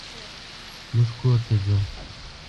مونږ کور ته ځو.